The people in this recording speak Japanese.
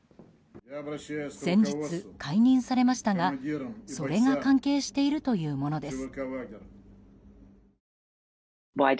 先日、解任されましたがそれが関係しているというものです。